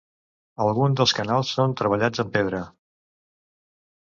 Algun dels canals són treballats en pedra.